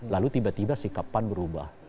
lalu tiba tiba sikapan berubah